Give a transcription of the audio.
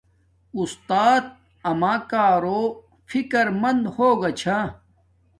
اُستات اما کارو فکر مند ہوگا چھا